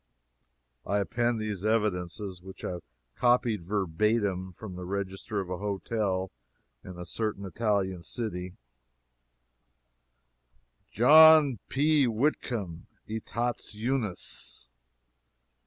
I append these evidences, which I copied verbatim from the register of a hotel in a certain Italian city: "John P. Whitcomb, Etats Unis.